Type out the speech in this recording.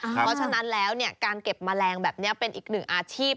เพราะฉะนั้นแล้วการเก็บแมลงแบบนี้เป็นอีกหนึ่งอาชีพ